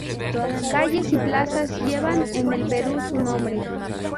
Calles y Plazas llevan en el Perú su nombre.